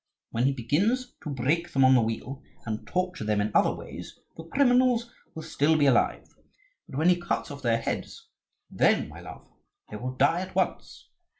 When he begins to break them on the wheel, and torture them in other ways, the criminals will still be alive; but when he cuts off their heads, then, my love, they will die at once.